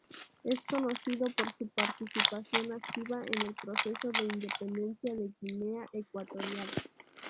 Es conocido por su participación activa en el proceso de independencia de Guinea Ecuatorial.